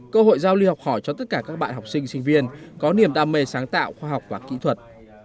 cơ hội giao lưu học hỏi cho tất cả các bạn học sinh sinh viên có niềm đam mê sáng tạo khoa học và kỹ thuật